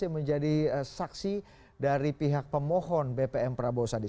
yang menjadi saksi dari pihak pemohon bpn prabowo sadi